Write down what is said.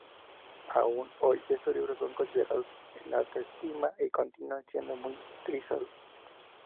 Aún hoy estos libros son considerados en alta estima y continúan siendo muy utilizados.